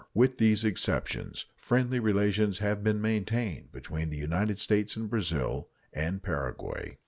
With these exceptions, friendly relations have been maintained between the United States and Brazil and Paraguay.